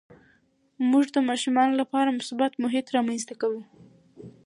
مور د ماشومانو لپاره مثبت محیط رامنځته کوي.